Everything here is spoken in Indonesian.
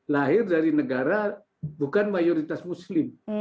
lahir dari negara bukan mayoritas muslim